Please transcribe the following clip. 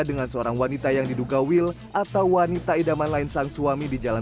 dengan seorang wanita yang diduga wil atau wanita idaman lain sang suami di jalan